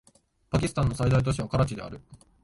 パキスタンの最大都市はカラチである